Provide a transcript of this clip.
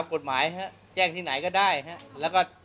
เนื่องจากว่าอยู่ระหว่างการรวมพญาหลักฐานนั่นเองครับ